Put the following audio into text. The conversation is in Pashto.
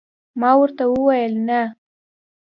ما ورته وویل: نه.